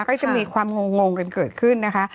ก็จะมีความงงกันเกิดขึ้นนะคะ